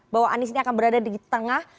bahwa anies ini akan berada di tengah